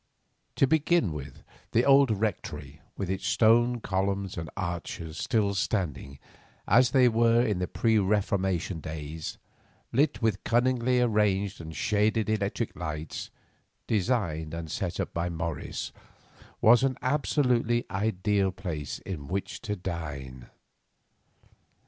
To begin with, the old refectory, with its stone columns and arches still standing as they were in the pre Reformation days, lit with cunningly arranged and shaded electric lights designed and set up by Morris, was an absolutely ideal place in which to dine.